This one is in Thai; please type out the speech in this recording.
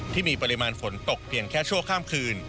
ที่มีปริมาณฝนตกเพียงแค่ชั่วข้ามคืน